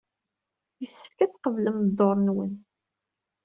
Yessefk ad tqeblem dduṛ-nwen.